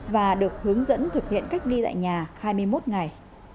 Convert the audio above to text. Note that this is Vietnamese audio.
và được hướng dẫn thực hiện cách ly tại nhà hai mươi một ngày